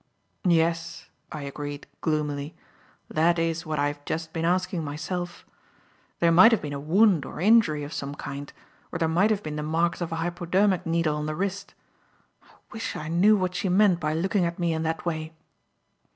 "Yes," I agreed, gloomily; "that is what I have just been asking myself. There might have been a wound or injury of some kind, or there might have been the marks of a hypodermic needle on the wrist. I wish I knew what she meant by looking at me in that way."